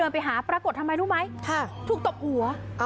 ไปหาปรากฏทำไมรู้ไหมถูกตบหัว